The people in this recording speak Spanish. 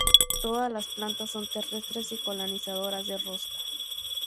Todas las plantas son terrestres y colonizadoras de rocas.